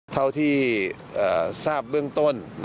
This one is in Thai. เท่าที่ทราบเบื้องต้น